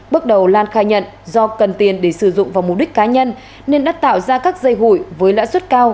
bước đầu lan khai nhận do cần tiền để sử dụng vào mục đích cá nhân nên đã tạo ra các dây hụi với lãi suất cao